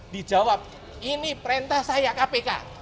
dijawab ini perintah saya kpk